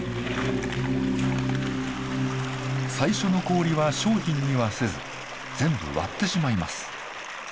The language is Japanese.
最初の氷は商品にはせず全部割ってしまいます。